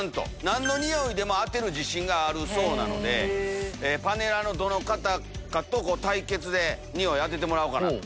何のニオイでも当てる自信があるそうなのでパネラーのどの方かと対決でニオイ当ててもらおうかなと。